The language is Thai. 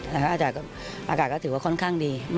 อย่างหน้าค่ะอากาศก็ถือว่าค่อนข้างดี